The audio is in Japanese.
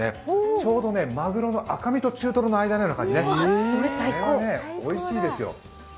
ちょうどまぐろの赤身と中とろのような感じね、これはおいしいですよ。